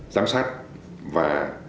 giám sát và